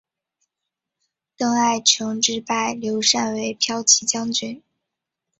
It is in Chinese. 邓艾承制拜刘禅为骠骑将军。